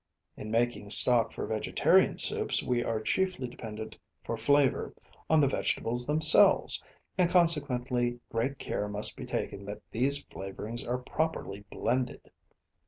In making stock for vegetarian soups we are chiefly dependent for flavour on the vegetables themselves, and consequently great care must be taken that these flavourings are properly blended.